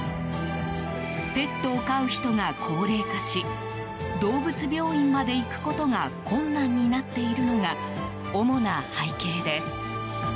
ペットを飼う人が高齢化し動物病院まで行くことが困難になっているのが主な背景です。